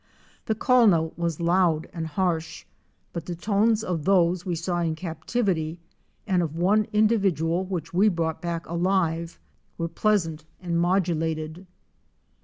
The call note was loud and harsh but the tones of those we saw in captivity and of one individual which we brought back alive were pleasant and modulated.